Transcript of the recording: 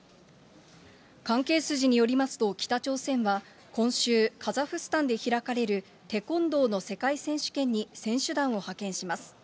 関係筋によりますと、北朝鮮は今週、カザフスタンで開かれるテコンドーの世界選手権に選手団を派遣します。